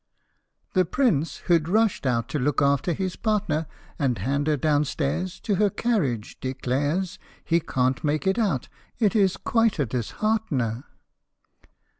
The Prince, who 'd rushed out to look after his partner And hand her downstairs To her carriage, declares He can't make it out " It is quite a disheart'ner